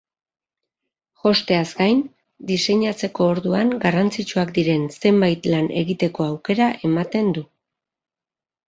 Josteaz gain, diseinatzeko orduan garrantzitsuak diren zenbait lan egiteko aukera ematen du.